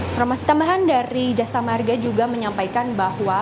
informasi tambahan dari jasa marga juga menyampaikan bahwa